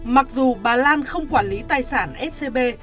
mặc dù bà lan không quản lý tài sản scb